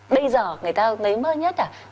bây giờ người ta nấy mơ nhất là